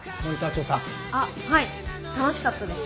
あはい楽しかったです。